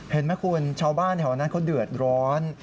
เห็นไหมคุณชาวบ้านแถวนั้นเขาเดือดร้อน